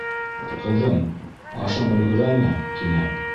— Ҡыҙым, ашың өлгөрәме? — тине.